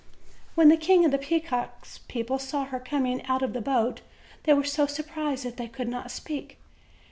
When the King of the Peacocks' people saw her com ing out of the boat, they were so surprised that they could not speak.